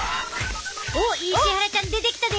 おっ石原ちゃん出てきたで。